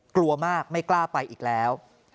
กลัวมากไม่กล้าไปอีกแล้ว